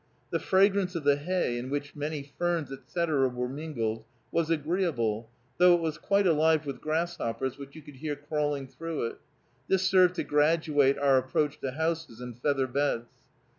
The fragrance of the hay, in which many ferns, etc., were mingled, was agreeable, though it was quite alive with grasshoppers which you could hear crawling through it. This served to graduate our approach to houses and feather beds.